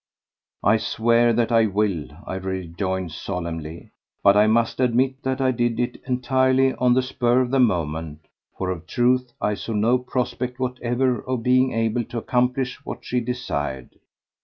"I swear that I will," I rejoined solemnly; but I must admit that I did it entirely on the spur of the moment, for of a truth I saw no prospect whatever of being able to accomplish what she desired.